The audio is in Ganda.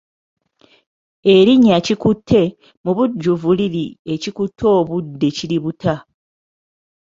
Erinnya Kikutte mubujjuvu liri Ekikutte obudde kiributa.